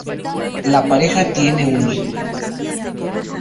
La pareja tiene un hijo.